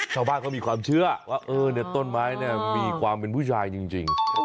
ชาวบ้านเขามีความเชื่อว่าต้นไม้เนี่ยมีความเป็นผู้ชายจริง